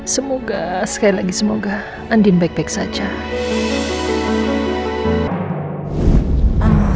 semoga sekali lagi semoga andin baik baik saja